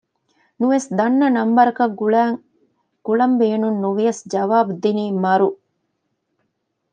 ނުވެސް ދަންނަ ނަންބަރަކަށް ގުޅައިން ގުޅަން ބޭނުން ނުވިޔަސް ޖަވާބު ދިނީ މަރު